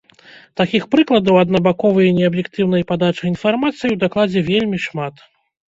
Такіх прыкладаў аднабаковай і неаб'ектыўнай падачы інфармацыі ў дакладзе вельмі шмат.